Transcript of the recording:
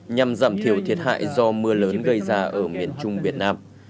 nhằm giảm thiểu thiệt hại do mưa lớn gây ra ở miền trung việt nam